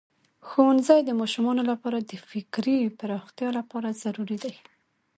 ښوونځی د ماشومانو لپاره د فکري پراختیا لپاره ضروری دی.